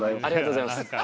ありがとうございます。